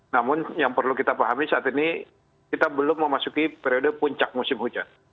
namun yang perlu kita pahami saat ini kita belum memasuki periode puncak musim hujan